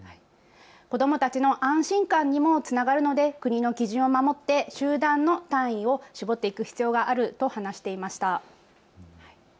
子どもたちの安心感にもつながるので国の基準を守って集団の単位を絞っていく必要があると話していました。